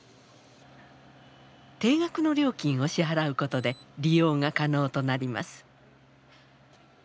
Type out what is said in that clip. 定額の料金を支払うことで利用が可能となります。